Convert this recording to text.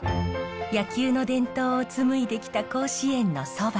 野球の伝統を紡いできた甲子園のそば。